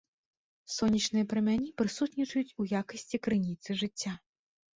Сонечныя прамяні прысутнічаюць у якасці крыніцы жыцця.